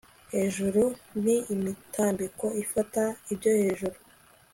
Hejuru ni imitambiko ifata ibyo hejuru